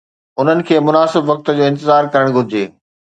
انهن کي مناسب وقت جو انتظار ڪرڻ گهرجي.